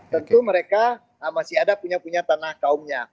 tentu mereka masih ada punya punya tanah kaumnya